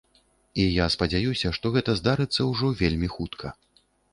І я спадзяюся, што гэта здарыцца вельмі ўжо хутка.